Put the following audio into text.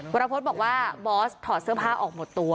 วรพฤษบอกว่าบอสถอดเสื้อผ้าออกหมดตัว